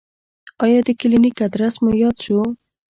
ایا د کلینیک ادرس مو یاد شو؟